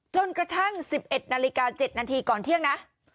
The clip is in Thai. จนกระทั่ง๑๑นาฬิกา๗นาทีก่อนเที่ยงนะ